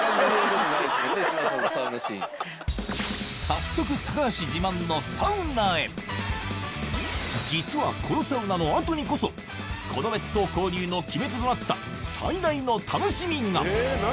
早速実はこのサウナの後にこそこの別荘購入の決め手となった最大の楽しみが！